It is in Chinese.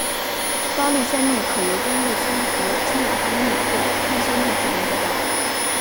高氯酸镍可由高氯酸和氢氧化镍或碳酸镍反应得到。